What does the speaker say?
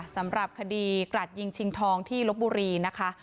สำหรับคดีกรัดยิงชิงทองที่ลบบุรีนะคะ